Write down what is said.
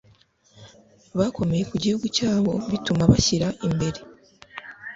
bakomeye ku gihugu cyabo bituma bashyira imbere